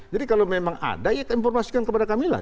jadi kalau memang ada ya informasikan kepada kami lah